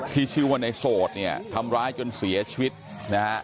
ที่ชื่อว่าในโสดเนี่ยทำร้ายจนเสียชีวิตนะฮะ